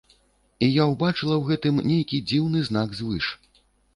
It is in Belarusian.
І я ўбачыла ў гэтым нейкі дзіўны знак звыш.